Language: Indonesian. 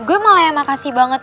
gue malah yang makasih banget